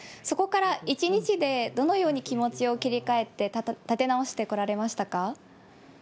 そこから１日で、どのように気持ちを切り替えて、立て直してこら